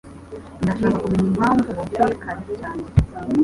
Ndashaka kumenya impamvu wavuye kare cyane.